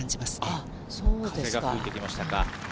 風が吹いてきましたか。